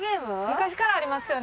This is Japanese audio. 昔からありますよね？